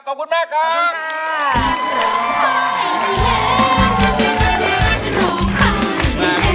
ขอบคุณมากครับ